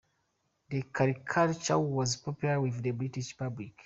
The caricature was popular with the British public.